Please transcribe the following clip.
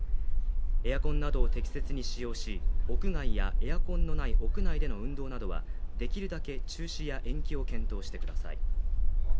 エアコンなどを適切に使用し屋外やエアコンのない屋内での運動などはできるだけ中止や延期を検討してください